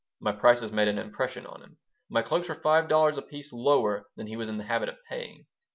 My prices made an impression on him. My cloaks were five dollars apiece lower than he was in the habit of paying.